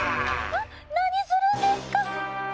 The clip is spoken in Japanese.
何するんですか？